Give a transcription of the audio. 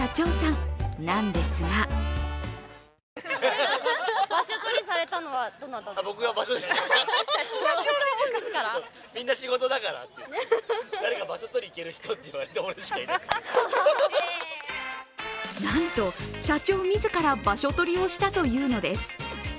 この会社の社長さんなんですがなんと、社長自ら場所取りをしたというのです。